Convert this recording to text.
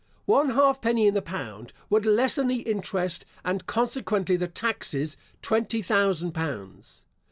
One halfpenny in the pound would lessen the interest and consequently the taxes, twenty thousand pounds.